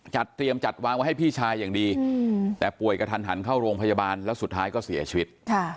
จัดเตรียมจัดวางไว้ให้พี่ชายอย่างดีแต่ป่วยกระทันหันเข้าโรงพยาบาลแล้วสุดท้ายก็เสียชีวิต